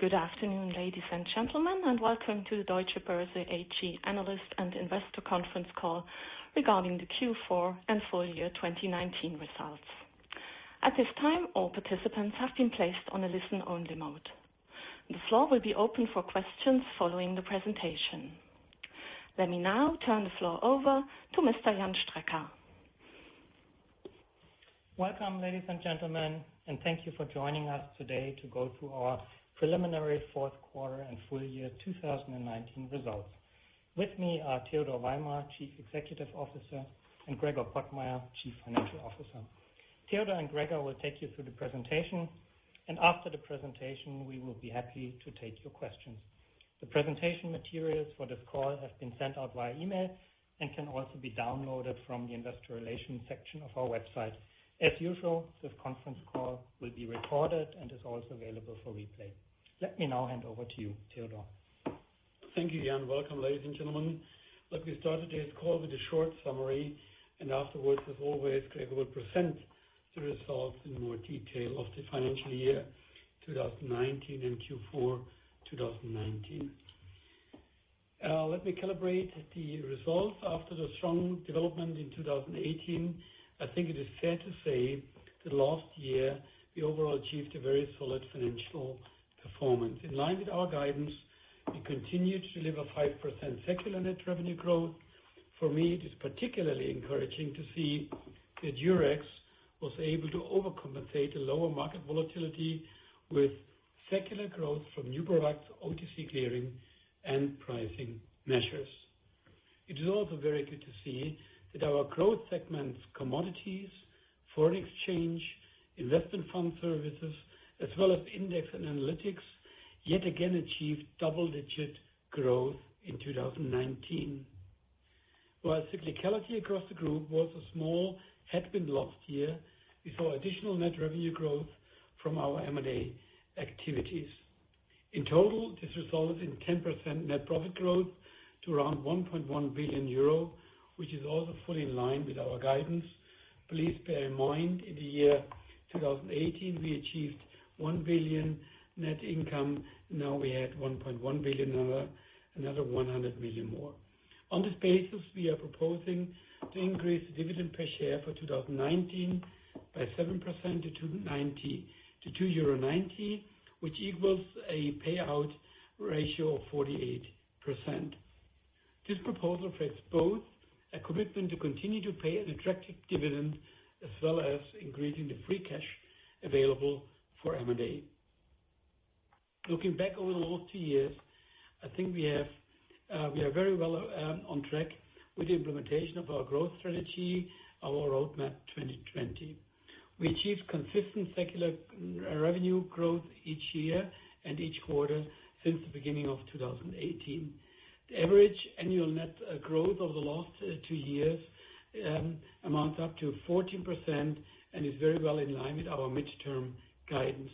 Good afternoon, ladies and gentlemen, and welcome to the Deutsche Börse AG analyst and investor conference call regarding the Q4 and full year 2019 results. At this time, all participants have been placed on a listen-only mode. The floor will be open for questions following the presentation. Let me now turn the floor over to Mr. Jan Strecker. Welcome, ladies and gentlemen, and thank you for joining us today to go through our preliminary fourth quarter and full year 2019 results. With me are Theodor Weimer, Chief Executive Officer, and Gregor Pottmeyer, Chief Financial Officer. Theodor and Gregor will take you through the presentation, and after the presentation, we will be happy to take your questions. The presentation materials for this call have been sent out via email and can also be downloaded from the investor relations section of our website. As usual, this conference call will be recorded and is also available for replay. Let me now hand over to you, Theodor. Thank you, Jan. Welcome, ladies and gentlemen. Let me start today's call with a short summary, and afterwards, as always, Gregor will present the results in more detail of the financial year 2019 and Q4 2019. Let me calibrate the results. After the strong development in 2018, I think it is fair to say that last year we overall achieved a very solid financial performance. In line with our guidance, we continued to deliver 5% secular net revenue growth. For me, it is particularly encouraging to see that Eurex was able to overcompensate a lower market volatility with secular growth from new products, OTC clearing and pricing measures. It is also very good to see that our growth segments, commodities, foreign exchange, investment fund services, as well as index and analytics, yet again achieved double-digit growth in 2019. While cyclicality across the group was a small headwind last year, we saw additional net revenue growth from our M&A activities. In total, this resulted in 10% net profit growth to around €1.1 billion, which is also fully in line with our guidance. Please bear in mind, in the year 2018, we achieved €1 billion net income. Now we had €1.1 billion, another €100 million more. On this basis, we are proposing to increase the dividend per share for 2019 by 7% to €2.90, which equals a payout ratio of 48%. This proposal reflects both a commitment to continue to pay an attractive dividend, as well as increasing the free cash available for M&A. Looking back over the last two years, I think we are very well on track with the implementation of our growth strategy, our Roadmap 2020. We achieved consistent secular revenue growth each year and each quarter since the beginning of 2018. The average annual net growth over the last two years amounts up to 14% and is very well in line with our midterm guidance.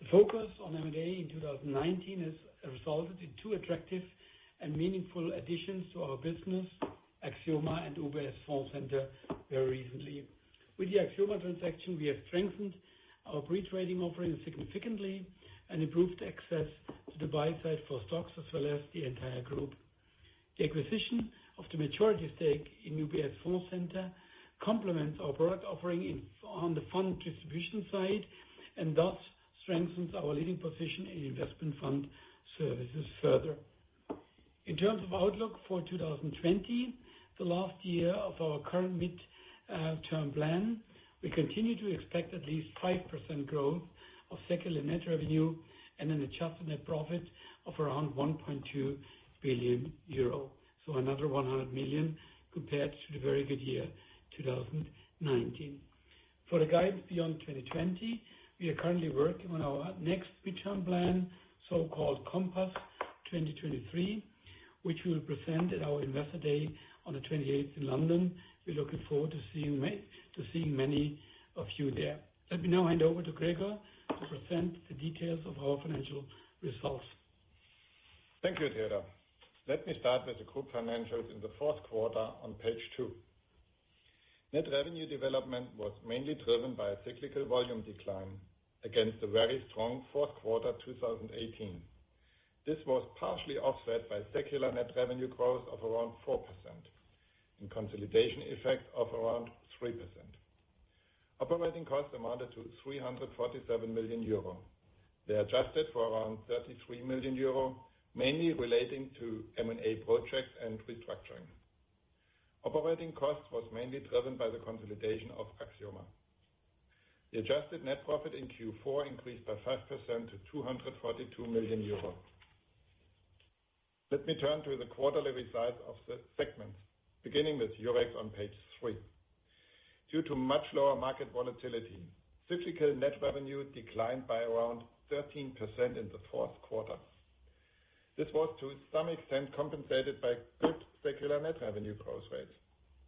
The focus on M&A in 2019 has resulted in two attractive and meaningful additions to our business, Axioma and UBS Fondcenter, very recently. With the Axioma transaction, we have strengthened our pre-trading offering significantly and improved access to the buy side for STOXX as well as the entire group. The acquisition of the majority stake in UBS Fondcenter complements our product offering on the fund distribution side, and thus strengthens our leading position in investment fund services further. In terms of outlook for 2020, the last year of our current midterm plan, we continue to expect at least 5% growth of secular net revenue and an adjusted net profit of around 1.2 billion euro, so another 100 million compared to the very good year 2019. For the guide beyond 2020, we are currently working on our next midterm plan, so-called Compass 2023, which we'll present at our Investor Day on the 28th in London. We're looking forward to seeing many of you there. Let me now hand over to Gregor to present the details of our financial results. Thank you, Theodor. Let me start with the group financials in the fourth quarter on page two. Net revenue development was mainly driven by a cyclical volume decline against a very strong fourth quarter 2018. This was partially offset by secular net revenue growth of around 4%, and consolidation effect of around 3%. Operating costs amounted to 347 million euro. They adjusted for around 33 million euro, mainly relating to M&A projects and restructuring. Operating cost was mainly driven by the consolidation of Axioma. The adjusted net profit in Q4 increased by 5% to 242 million euro. Let me turn to the quarterly results of the segments, beginning with Eurex on page three. Due to much lower market volatility, cyclical net revenue declined by around 13% in the fourth quarter. This was to some extent compensated by good secular net revenue growth rates,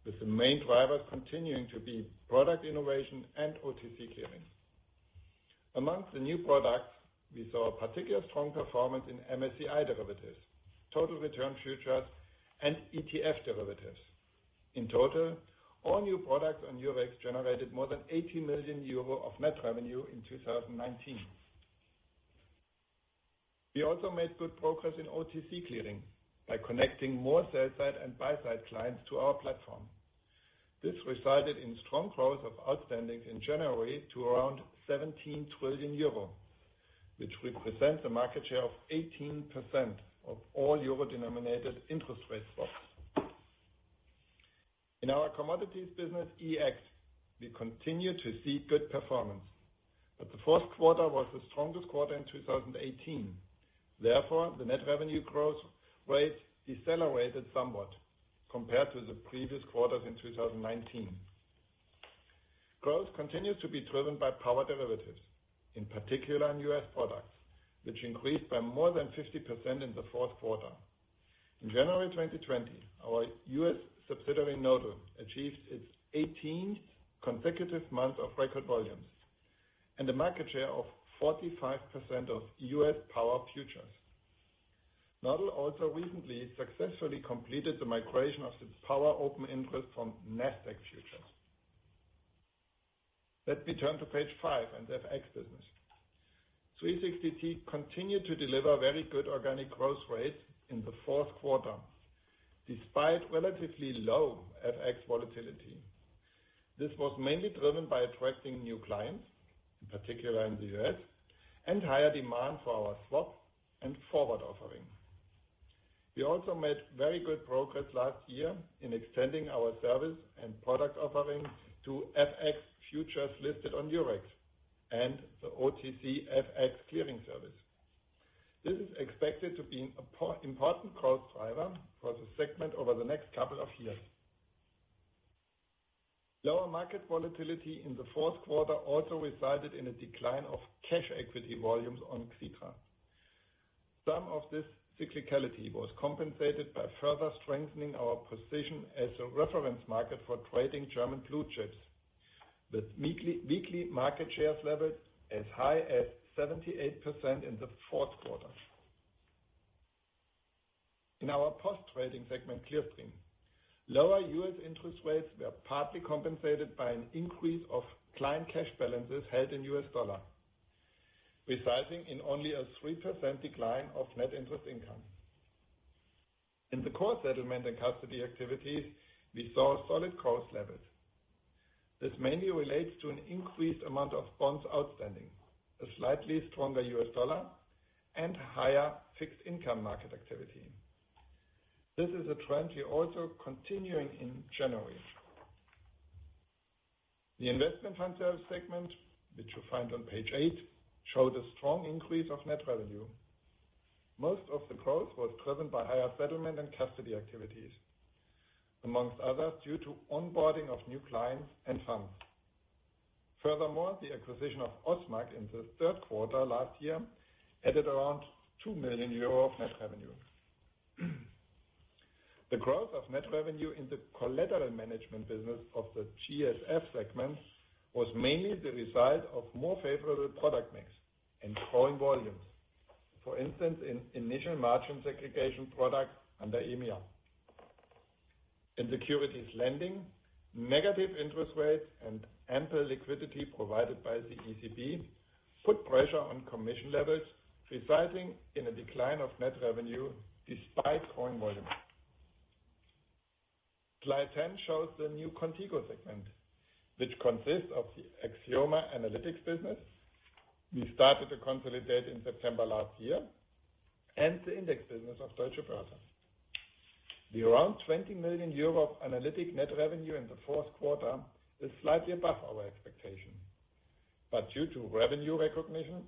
with the main drivers continuing to be product innovation and OTC clearing. Among the new products, we saw a particularly strong performance in MSCI derivatives, total return futures, and ETF derivatives. In total, all new products on Eurex generated more than 80 million euro of net revenue in 2019. We also made good progress in OTC clearing by connecting more sell-side and buy-side clients to our platform. This resulted in strong growth of outstandings in January to around 17 trillion euro, which represents a market share of 18% of all EUR-denominated interest rate swaps. In our commodities business, EEX, we continue to see good performance, but the fourth quarter was the strongest quarter in 2018. Therefore, the net revenue growth rate decelerated somewhat compared to the previous quarters in 2019. Growth continues to be driven by power derivatives, in particular in U.S. products, which increased by more than 50% in the fourth quarter. In January 2020, our U.S. subsidiary, Nodal, achieved its 18th consecutive month of record volumes and a market share of 45% of U.S. power futures. Nodal also recently successfully completed the migration of its power open interest from Nasdaq futures. Let me turn to page five and the FX business. 360T continued to deliver very good organic growth rates in the fourth quarter, despite relatively low FX volatility. This was mainly driven by attracting new clients, in particular in the U.S., and higher demand for our swap and forward offerings. We also made very good progress last year in extending our service and product offerings to FX futures listed on Eurex and the OTCFX clearing service. This is expected to be an important growth driver for the segment over the next couple of years. Lower market volatility in the fourth quarter also resulted in a decline of cash equity volumes on Xetra. Some of this cyclicality was compensated by further strengthening our position as a reference market for trading German blue chips, with weekly market shares levels as high as 78% in the fourth quarter. In our post-trading segment, Clearstream, lower U.S. Interest rates were partly compensated by an increase of client cash balances held in U.S. dollar, resulting in only a 3% decline of net interest income. In the core settlement and custody activities, we saw solid cost levels. This mainly relates to an increased amount of bonds outstanding, a slightly stronger U.S. dollar, and higher fixed income market activity. This is a trend we also continuing in January. The investment fund service segment, which you find on page eight, showed a strong increase of net revenue. Most of the growth was driven by higher settlement and custody activities, among others, due to onboarding of new clients and funds. Furthermore, the acquisition of OSMAK in the third quarter last year added around 2 million euros of net revenue. The growth of net revenue in the collateral management business of the GSF segment was mainly the result of more favorable product mix and growing volumes. For instance, in initial margins aggregation product under EMIR. In securities lending, negative interest rates and ample liquidity provided by the ECB put pressure on commission levels, resulting in a decline of net revenue despite growing volumes. Slide 10 shows the new Qontigo segment, which consists of the Axioma Analytics business. We started to consolidate in September last year the index business of Deutsche Börse. The around 20 million euro of analytic net revenue in the fourth quarter is slightly above our expectation, but due to revenue recognition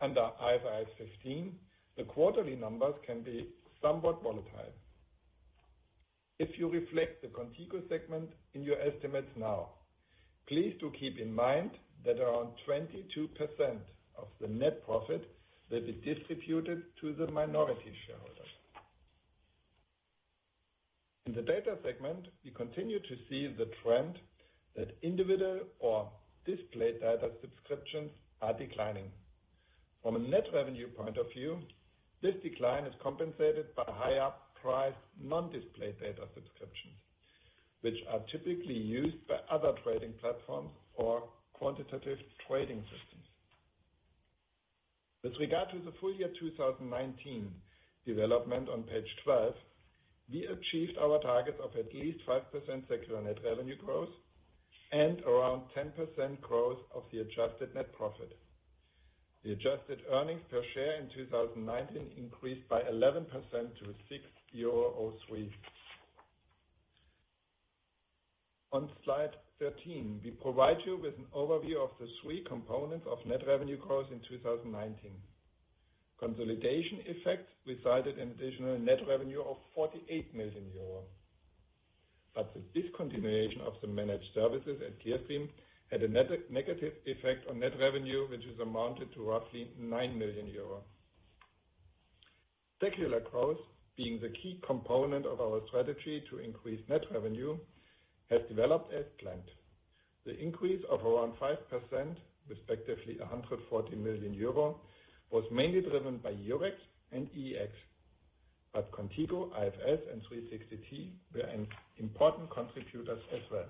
under IFRS 15, the quarterly numbers can be somewhat volatile. If you reflect the Qontigo segment in your estimates now, please do keep in mind that around 22% of the net profit will be distributed to the minority shareholders. In the data segment, we continue to see the trend that individual or display data subscriptions are declining. From a net revenue point of view, this decline is compensated by higher priced non-display data subscriptions, which are typically used by other trading platforms or quantitative trading systems. With regard to the full year 2019 development on page 12, we achieved our target of at least 5% secular net revenue growth and around 10% growth of the adjusted net profit. The adjusted earnings per share in 2019 increased by 11% to 6.03. On slide 13, we provide you with an overview of the three components of net revenue growth in 2019. Consolidation effects resulted in additional net revenue of 48 million euros. The discontinuation of the managed services at Clearstream had a negative effect on net revenue, which is amounted to roughly 9 million euros. Secular growth, being the key component of our strategy to increase net revenue, has developed as planned. The increase of around 5%, respectively 140 million euro, was mainly driven by Eurex and EEX. Qontigo, IFS, and 360T were important contributors as well.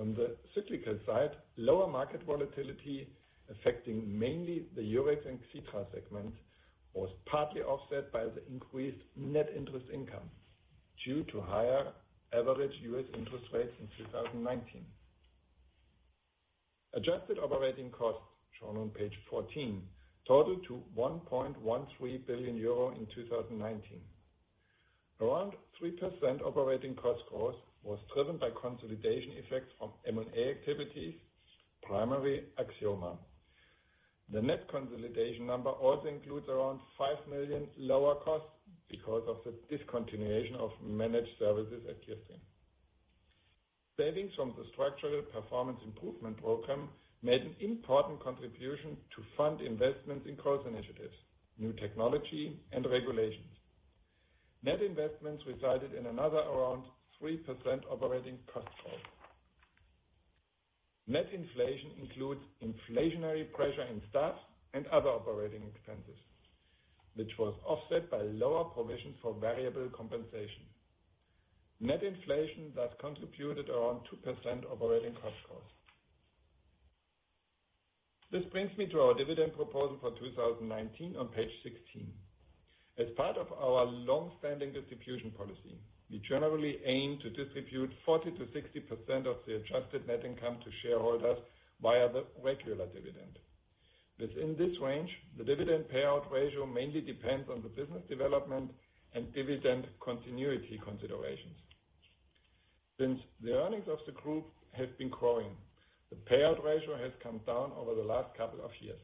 On the cyclical side, lower market volatility, affecting mainly the Eurex and Clearstream segment, was partly offset by the increased net interest income due to higher average U.S. interest rates in 2019. Adjusted operating costs, shown on page 14, totaled to 1.13 billion euro in 2019. Around 3% operating cost growth was driven by consolidation effects from M&A activities, primary Axioma. The net consolidation number also includes around five million lower costs because of the discontinuation of managed services at Clearstream. Savings from the structural performance improvement program made an important contribution to fund investments in cost initiatives, new technology, and regulations. Net investments resulted in another around 3% operating cost growth. Net inflation includes inflationary pressure in staff and other operating expenses, which was offset by lower provisions for variable compensation. Net inflation thus contributed around 2% operating cost growth. This brings me to our dividend proposal for 2019 on page 16. As part of our long-standing distribution policy, we generally aim to distribute 40%-60% of the adjusted net income to shareholders via the regular dividend. Within this range, the dividend payout ratio mainly depends on the business development and dividend continuity considerations. Since the earnings of the group have been growing, the payout ratio has come down over the last couple of years.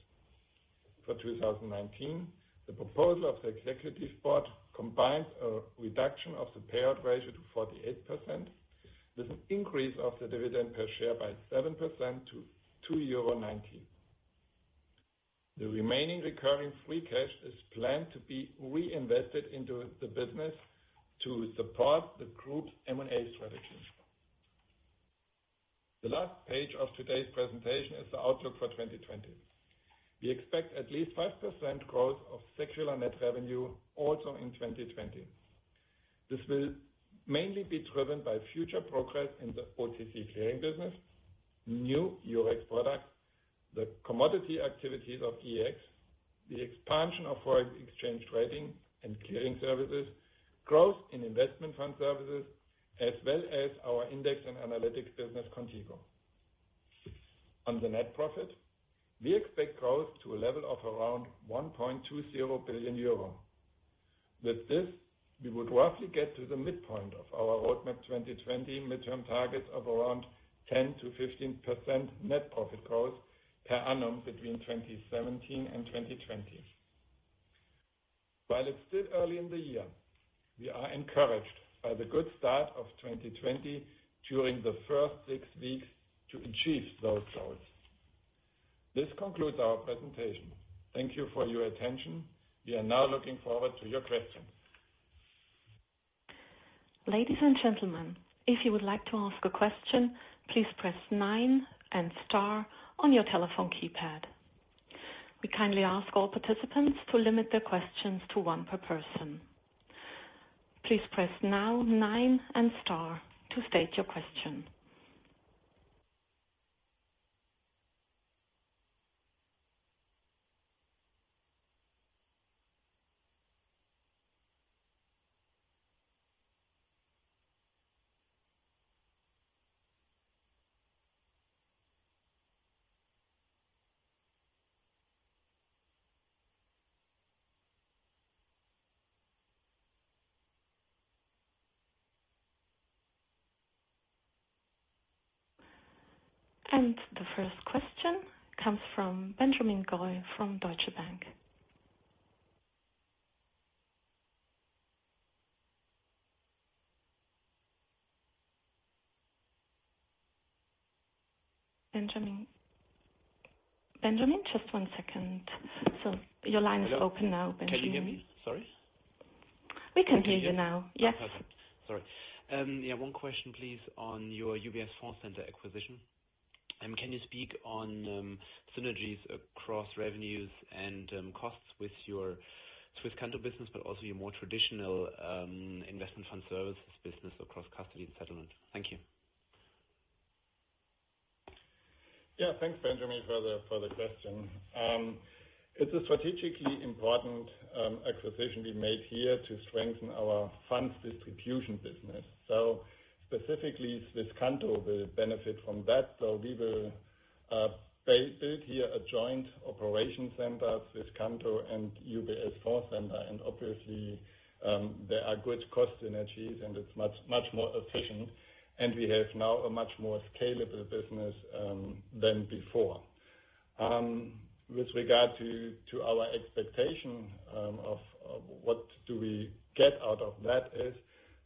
For 2019, the proposal of the executive board combines a reduction of the payout ratio to 48%, with an increase of the dividend per share by 7% to 2.90 euro. The remaining recurring free cash is planned to be reinvested into the business to support the group's M&A strategy. The last page of today's presentation is the outlook for 2020. We expect at least 5% growth of secular net revenue also in 2020. This will mainly be driven by future progress in the OTC clearing business, new Eurex products, the commodity activities of EEX, the expansion of foreign exchange trading and clearing services, growth in investment fund services, as well as our index and analytics business, Qontigo. On the net profit, we expect growth to a level of around 1.20 billion euro. With this, we would roughly get to the midpoint of our Roadmap 2020 midterm targets of around 10%-15% net profit growth per annum between 2017 and 2020. While it's still early in the year, we are encouraged by the good start of 2020 during the first six weeks to achieve those goals. This concludes our presentation. Thank you for your attention. We are now looking forward to your questions. Ladies and gentlemen, if you would like to ask a question, please press nine and star on your telephone keypad. We kindly ask all participants to limit their questions to one per person. Please press now nine and star to state your question. The first question comes from Benjamin Goy from Deutsche Bank. Benjamin? Benjamin, just one second. Your line is open now, Benjamin. Hello. Can you hear me? Sorry. We can hear you now. Yes. Okay. Sorry. Yeah. One question, please, on your UBS Fondcenter acquisition. Can you speak on synergies across revenues and costs with your Swisscanto business, but also your more traditional investment fund services business across custody and settlement? Thank you. Thanks, Benjamin, for the question. It's a strategically important acquisition we made here to strengthen our funds distribution business. Specifically, Swisscanto will benefit from that. We will build here a joint operation center, Swisscanto and UBS Fondcenter. Obviously, there are good cost synergies, and it's much more efficient, and we have now a much more scalable business than before. With regard to our expectation of what do we get out of that is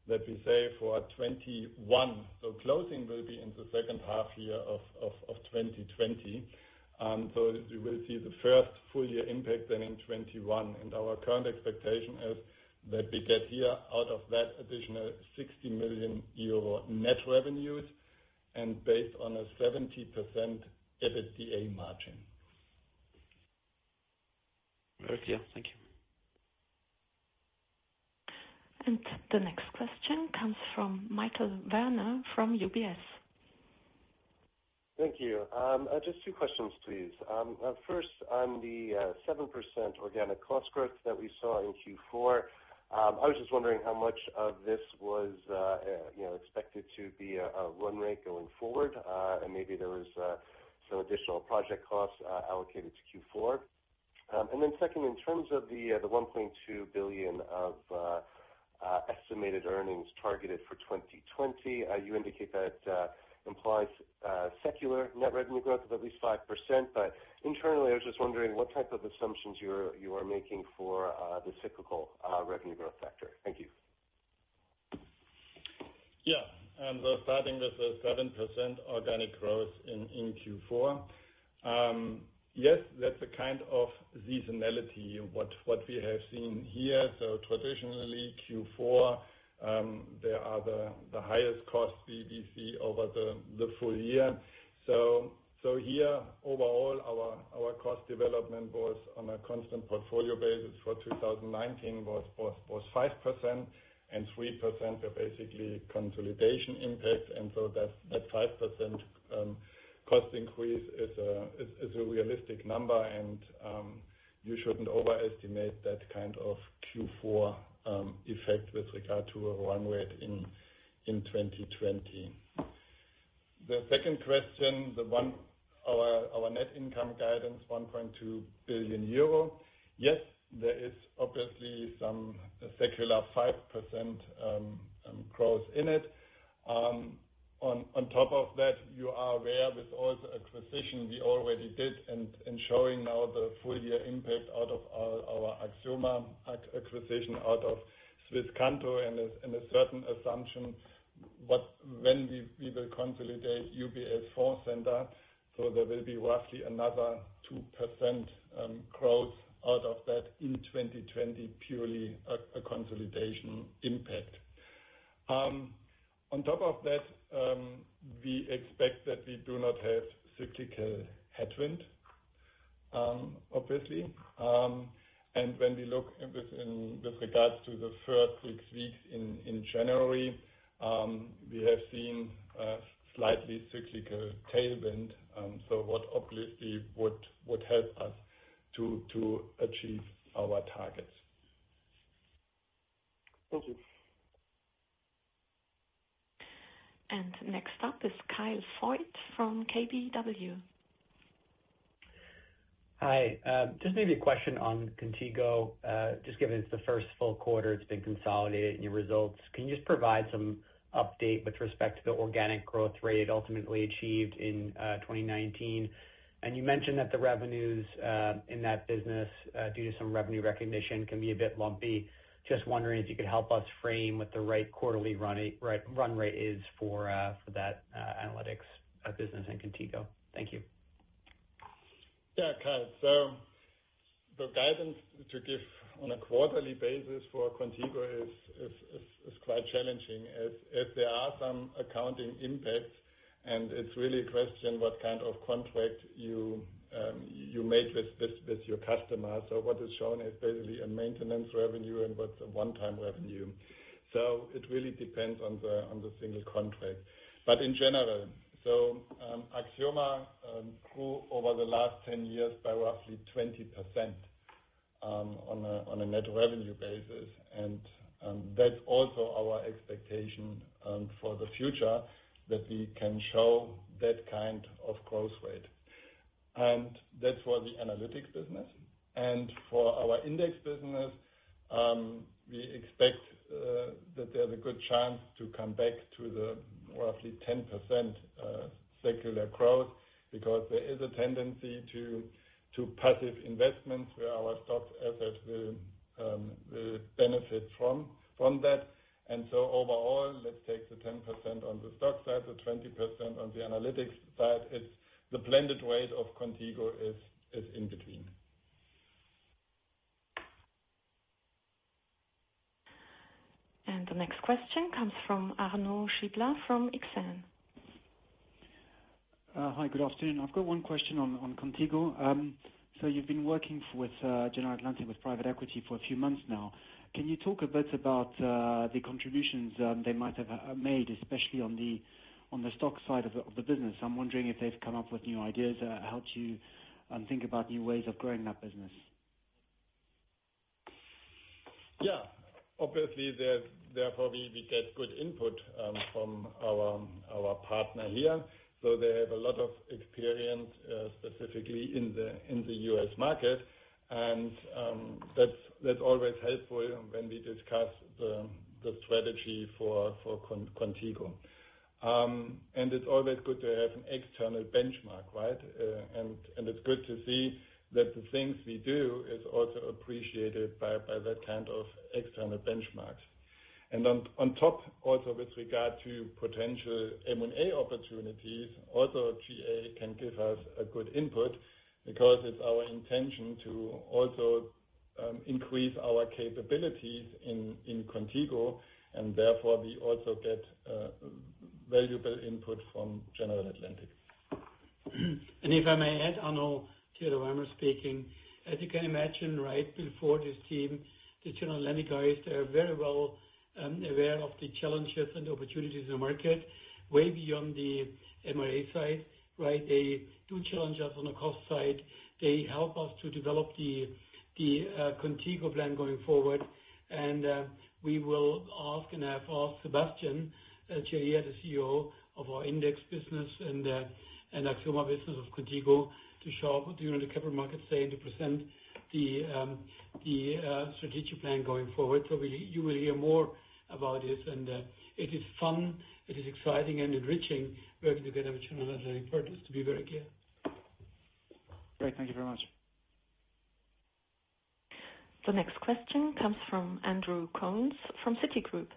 that we say for 2021. Closing will be in the second half year of 2020. We will see the first full year impact then in 2021. Our current expectation is that we get here out of that additional 60 million euro net revenues and based on a 70% EBITDA margin. Very clear. Thank you. The next question comes from Michael Werner from UBS. Thank you. Just two questions, please. First, on the 7% organic cost growth that we saw in Q4, I was just wondering how much of this was expected to be a run rate going forward? Maybe there was some additional project costs allocated to Q4. Second, in terms of the 1.2 billion of estimated earnings targeted for 2020, you indicate that implies secular net revenue growth of at least 5%, but internally, I was just wondering what type of assumptions you are making for the cyclical revenue growth factor. Thank you. Yeah. Starting with the 7% organic growth in Q4. Yes, that's the kind of seasonality what we have seen here. Traditionally Q4, they are the highest cost we see over the full year. Here, overall, our cost development was on a constant portfolio basis for 2019 was 5% and 3% basically consolidation impact. That 5% cost increase is a realistic number and you shouldn't overestimate that kind of Q4 effect with regard to a run rate in 2020. The second question, our net income guidance, 1.2 billion euro. Yes, there is obviously some secular 5% growth in it. On top of that, you are aware with all the acquisition we already did and showing now the full year impact out of our Axioma acquisition out of Swisscanto and a certain assumption when we will consolidate UBS Fondcenter. There will be roughly another 2% growth out of that in 2020, purely a consolidation impact. On top of that, we expect that we do not have cyclical headwind, obviously. When we look with regards to the first six weeks in January, we have seen a slightly cyclical tailwind, so what obviously would help us to achieve our targets. Thank you. Next up is Kyle Voigt from KBW. Maybe a question on Qontigo. Given it's the first full quarter it's been consolidated in your results, can you just provide some update with respect to the organic growth rate ultimately achieved in 2019? You mentioned that the revenues in that business, due to some revenue recognition, can be a bit lumpy. Wondering if you could help us frame what the right quarterly run rate is for that analytics business in Qontigo. Thank you. Yeah, Kyle. The guidance to give on a quarterly basis for Qontigo is quite challenging as there are some accounting impacts and it's really a question what kind of contract you made with your customers. What is shown is basically a maintenance revenue and what's a one-time revenue. It really depends on the single contract. In general, Axioma grew over the last 10 years by roughly 20% on a net revenue basis. That's also our expectation for the future that we can show that kind of growth rate. That's for the analytics business. For our index business, we expect that they have a good chance to come back to the roughly 10% secular growth because there is a tendency to passive investments where our STOXX assets will benefit from that. Overall, let's take the 10% on the STOXX side, the 20% on the analytics side, the blended weight of Qontigo is in between. The next question comes from Arnaud Giblat from Exane. Hi, good afternoon. I've got one question on Qontigo. You've been working with General Atlantic, with private equity for a few months now. Can you talk a bit about the contributions they might have made, especially on the STOXX side of the business? I'm wondering if they've come up with new ideas or helped you think about new ways of growing that business. Yeah. Obviously, we get good input from our partner here. They have a lot of experience, specifically in the U.S. market. That's always helpful when we discuss the strategy for Qontigo. It's always good to have an external benchmark, right? It's good to see that the things we do is also appreciated by that kind of external benchmarks. On top also with regard to potential M&A opportunities, also GA can give us a good input because it's our intention to also increase our capabilities in Qontigo, and therefore we also get valuable input from General Atlantic. If I may add, Arnaud, Theodor Weimer speaking. As you can imagine, before this team, the General Atlantic guys, they are very well aware of the challenges and opportunities in the market, way beyond the M&A side, right? They do challenge us on the cost side. They help us to develop the Qontigo plan going forward. We will ask, and have asked Sebastian, the CEO of our index business and Axioma business of Qontigo to show up during the capital markets day to present the strategic plan going forward. You will hear more about this, and it is fun, it is exciting and enriching working together with General Atlantic partners, to be very clear. Great. Thank you very much. The next question comes from Andrew Coombs from Citigroup.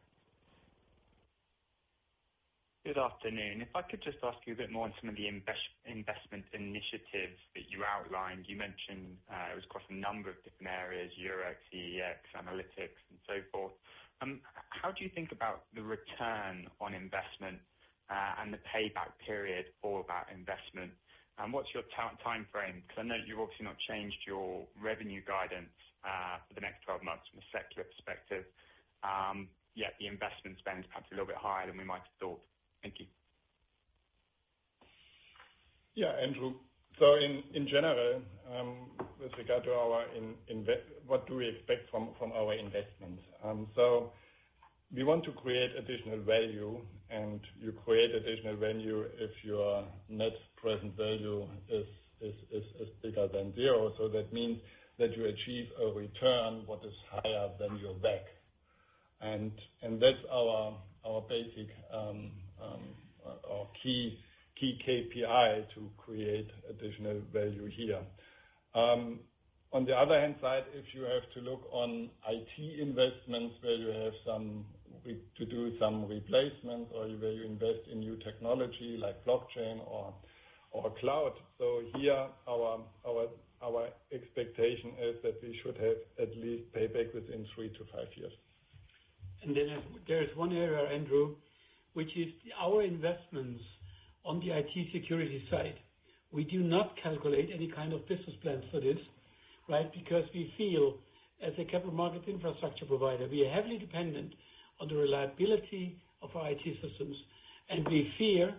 Good afternoon. If I could just ask you a bit more on some of the investment initiatives that you outlined. You mentioned it was across a number of different areas, Eurex, analytics, and so forth. How do you think about the return on investment, and the payback period for that investment? What's your timeframe? Because I know you've obviously not changed your revenue guidance for the next 12 months from a secular perspective, yet the investment spend is perhaps a little bit higher than we might have thought. Thank you. Yeah, Andrew. In general, with regard to what do we expect from our investments. We want to create additional value, and you create additional value if your net present value is bigger than zero. That means that you achieve a return what is higher than your WACC. That's our basic key KPI to create additional value here. On the other hand side, if you have to look on IT investments where you have to do some replacements or where you invest in new technology like blockchain or cloud. Here, our expectation is that we should have at least payback within 3-5 years. There is one area, Andrew, which is our investments on the IT security side. We do not calculate any kind of business plans for this. We feel as a capital market infrastructure provider, we are heavily dependent on the reliability of our IT systems. We fear,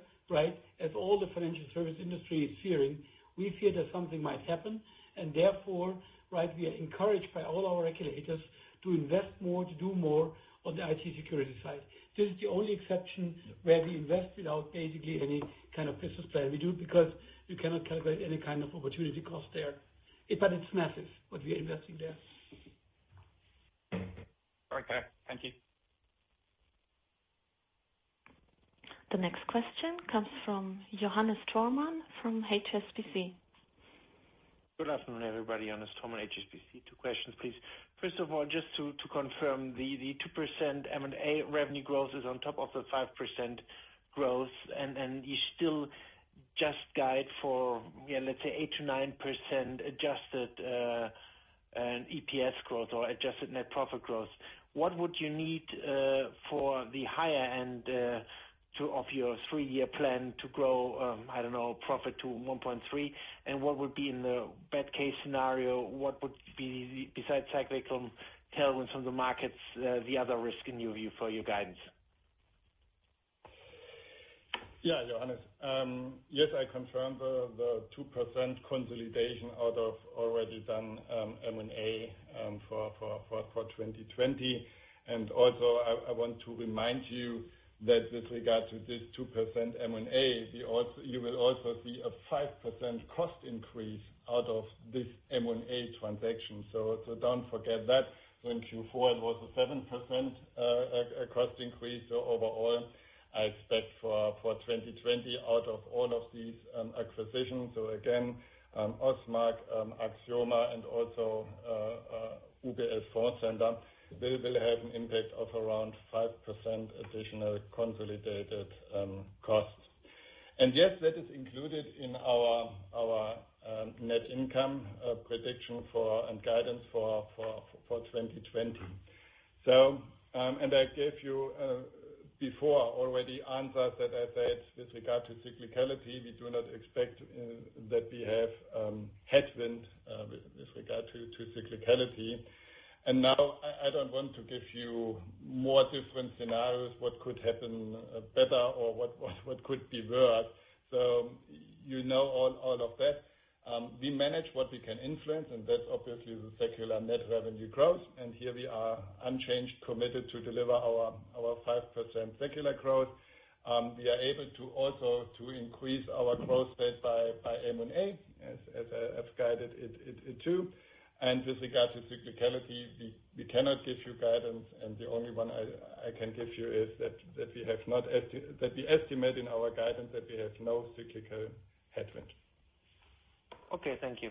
as all the financial service industry is fearing, we fear that something might happen, and therefore, we are encouraged by all our regulators to invest more, to do more on the IT security side. This is the only exception where we invest without basically any kind of business plan. We do it because you cannot calculate any kind of opportunity cost there. It's massive, what we are investing there. Okay. Thank you. The next question comes from Johannes Thormann from HSBC. Good afternoon, everybody. Johannes Thormann, HSBC. Two questions, please. First of all, just to confirm the 2% M&A revenue growth is on top of the 5% growth, and you still just guide for, let's say, 8%-9% adjusted EPS growth or adjusted net profit growth. What would you need for the higher end of your three-year plan to grow, I don't know, profit to 1.3? What would be in the bad case scenario, what would be, besides cyclical tailwinds from the markets, the other risk in your view for your guidance? Johannes, I confirm the 2% consolidation out of already done M&A for 2020. I want to remind you that with regard to this 2% M&A, you will also see a 5% cost increase out of this M&A transaction. Don't forget that. In Q4 it was a 7% cost increase overall. I expect for 2020 out of all of these acquisitions, again, OSMAK, Axioma, and also UBS Fondcenter as front ender, they will have an impact of around 5% additional consolidated costs. That is included in our net income prediction and guidance for 2020. I gave you before already answered that I said with regard to cyclicality, we do not expect that we have headwind with regard to cyclicality. Now I don't want to give you more different scenarios, what could happen better or what could be worse. You know all of that. We manage what we can influence, and that's obviously the secular net revenue growth, and here we are unchanged, committed to deliver our 5% secular growth. We are able to also increase our growth rate by M&A, as guided it too. With regard to cyclicality, we cannot give you guidance, and the only one I can give you is that we estimate in our guidance that we have no cyclical headwind. Okay. Thank you.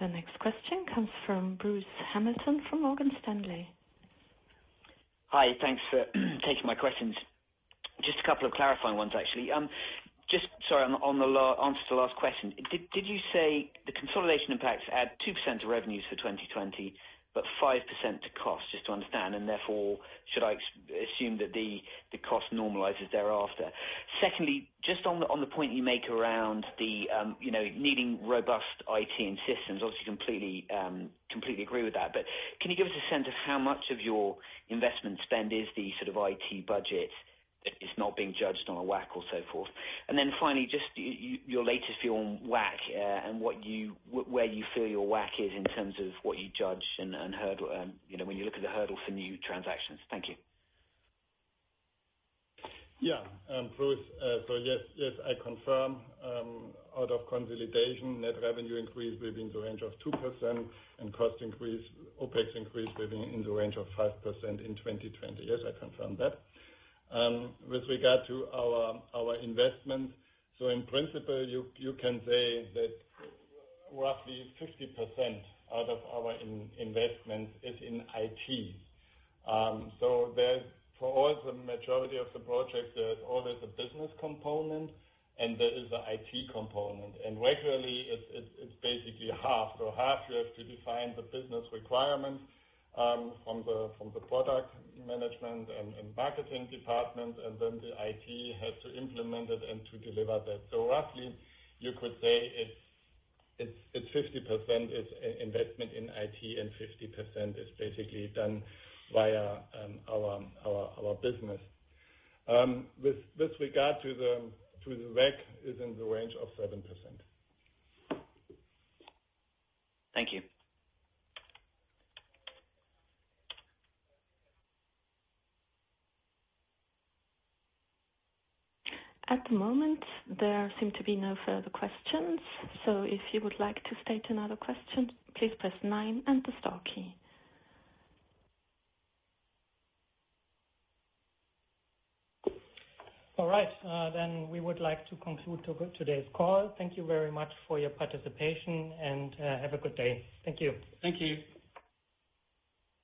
The next question comes from Bruce Hamilton from Morgan Stanley. Hi, thanks for taking my questions. Just a couple of clarifying ones actually. Sorry, on the answer to the last question, did you say the consolidation impacts add 2% to revenues for 2020 but 5% to cost, just to understand? Therefore, should I assume that the cost normalizes thereafter? Secondly, just on the point you make around needing robust IT and systems, obviously completely agree with that. Can you give us a sense of how much of your investment spend is the IT budget that is not being judged on a WACC or so forth? Then finally, just your latest view on WACC and where you feel your WACC is in terms of what you judge and when you look at the hurdle for new transactions. Thank you. Yeah. Bruce, yes, I confirm out of consolidation, net revenue increase within the range of 2% and cost increase, OpEx increase within the range of 5% in 2020. Yes, I confirm that. With regard to our investment, in principle, you can say that roughly 50% out of our investment is in IT. For all the majority of the projects, there is always a business component and there is a IT component. Regularly, it's basically half. Half you have to define the business requirements from the product management and marketing department, then the IT has to implement it and to deliver that. Roughly you could say it's 50% is investment in IT and 50% is basically done via our business. With regard to the WACC, is in the range of 7%. Thank you. At the moment, there seem to be no further questions. If you would like to state another question, please press nine and the star key. All right, we would like to conclude today's call. Thank you very much for your participation, and have a good day. Thank you. Thank you.